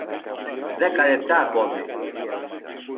Δέκα λεπτά ακόμη